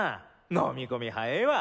飲み込み早えわ。